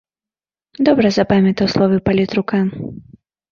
Добра запамятаў словы палітрука.